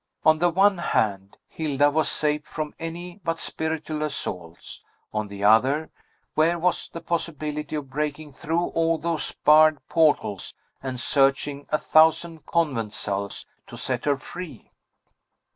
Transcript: On the one hand, Hilda was safe from any but spiritual assaults; on the other, where was the possibility of breaking through all those barred portals, and searching a thousand convent cells, to set her free?